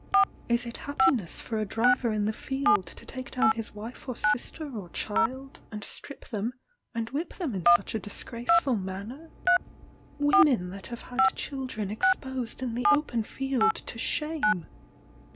Is it happiness for a driver in the field to take down his wife or sister or child, and strip them, and whip them in such a disgraceful manner? women that have had children exposed in the open field to shame!